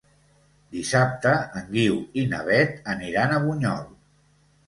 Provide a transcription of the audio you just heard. Dissabte en Guiu i na Beth aniran a Bunyol.